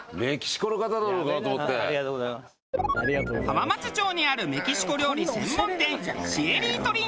浜松町にあるメキシコ料理専門店。